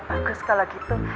bagus kalau gitu